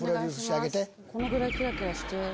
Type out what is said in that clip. このぐらいキラキラしてる感じ。